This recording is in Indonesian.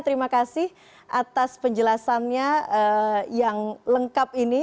terima kasih atas penjelasannya yang lengkap ini